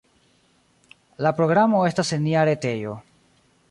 La programo estas en nia retejo.